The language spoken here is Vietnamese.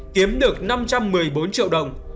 kiếm được năm trăm một mươi bốn triệu đồng